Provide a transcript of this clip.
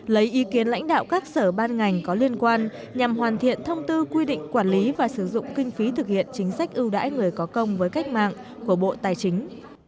lấy ý kiến lãnh đạo các sở ban ngành có liên quan nhằm hoàn thiện thông tư quy định quản lý và sử dụng kinh phí thực hiện chính sách ưu đãi người có công với cách mạng của bộ tài chính